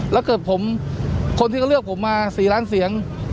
แล้วเกิดผมคนที่เขาเลือกผมมา๔ล้านเสียง